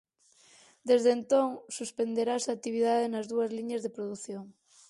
Desde entón suspenderase a actividade nas dúas liñas de produción.